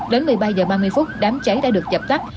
đến một mươi ba giờ ba mươi phút đám cháy đã được dập tắt